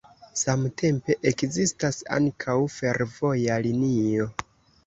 Samtempe ekzistas ankaŭ fervoja linio.